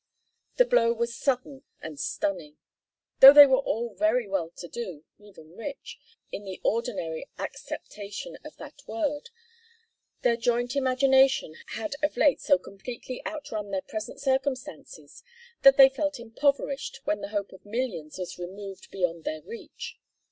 The blow was sudden and stunning. Though they were all very well to do, even rich, in the ordinary acceptation of that word, their joint imagination had of late so completely outrun their present circumstances, that they felt impoverished when the hope of millions was removed beyond their reach.